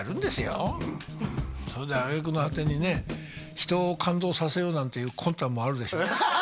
それであげくの果てにね「人を感動させよう」なんていう魂胆もあるでしょ？